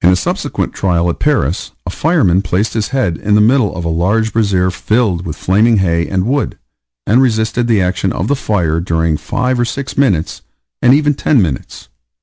In a subsequent trial, at Paris, a fireman placed his head in the middle of a large brazier filled with flaming hay and wood, and resisted the action of the fire during five or six minutes and even ten minutes.